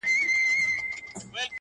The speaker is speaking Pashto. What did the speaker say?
• زما د ميني ليونيه ـ ستا خبر نه راځي ـ